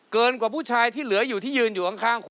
เกินกว่าผู้ชายที่เหลืออยู่ที่ยืนอยู่ข้างคุณ